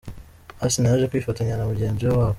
Asinah yaje kwifatanya na mugenzi we Babo.